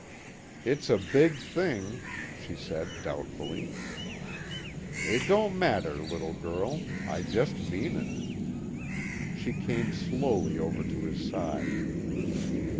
"It's a big thing," she said doubtfully. "It don't matter, little girl, I just mean it." She came slowly over to his side.